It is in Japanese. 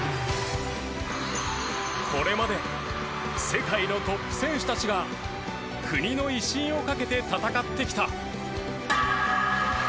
これまで世界のトップ選手たちが国の威信をかけて戦ってきた。